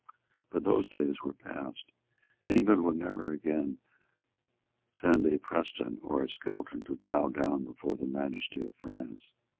But those days were past. England would never again send a Preston or a Skelton to bow down before the majesty of France.